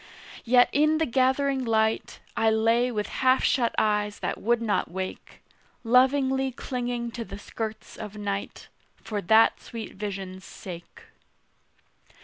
Yet, in the gathering light, I lay with half shut eyes that would not wake, Lovingly clinging to the skirts of night For that sweet vision's sake.